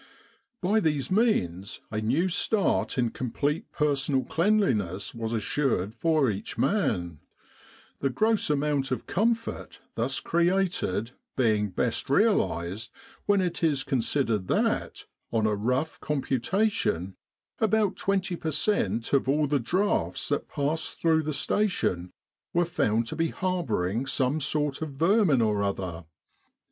By these means a new start in complete personal cleanliness was assured for each man, the gross amount of comfort thus created being best realised when it is considered that, on a rough computation, about 20 per cent, of all the drafts that passed through the Station were found to be harbouring some sort of vermin or other.